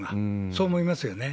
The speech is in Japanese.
そう思いますよね。